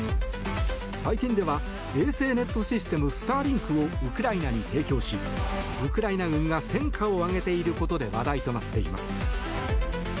最近では衛星ネットシステムスターリンクをウクライナに提供しウクライナ軍が戦果を挙げていることで話題となっています。